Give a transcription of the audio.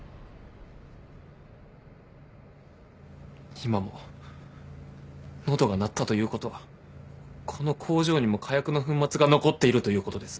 今も喉が鳴ったということはこの工場にも火薬の粉末が残っているということです。